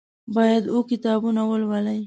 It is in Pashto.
باید اووه کتابونه ولولي.